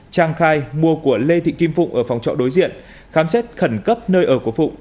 trang khai mua của lê thị kim phụng ở phòng trọ đối diện khám xét khẩn cấp nơi ở của phụng